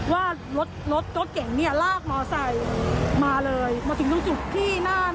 ว่ารถเก่งลากมอเตอร์ไซซ์มาเลย